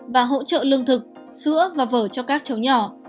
và hỗ trợ lương thực sữa và vở cho các cháu nhỏ